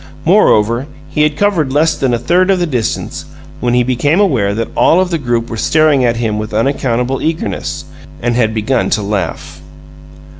Moreover, he had covered less than a third of the distance, when he became aware that all of the group were staring at him with unaccountable eagerness, and had begun to laugh.